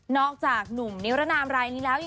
อกจากหนุ่มนิรนามรายนี้แล้ว